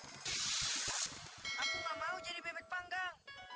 aku gak mau jadi bebek panggang